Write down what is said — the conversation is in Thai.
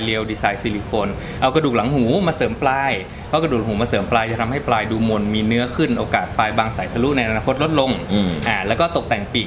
เดี๋ยวจะบอกทำไมไม่เอาเงินไปบริจาคโควิด